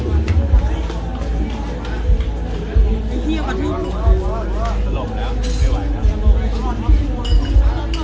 มามานี่มานี่โอ้โอ้เจ็ดเนี่ยมานี่